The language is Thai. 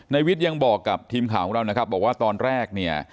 ในวิทย์ยังบอกกับทีมข่าวของเรานะครับบอกว่าตอนแรกเนี่ย